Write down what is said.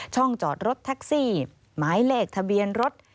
จอดรถแท็กซี่หมายเลขทะเบียนรถ